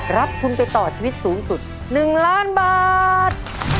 รับทุนไปต่อชีวิตสูงสุด๑ล้านบาท